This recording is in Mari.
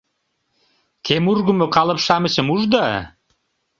— Кем ургымо калып-шамычым ужда?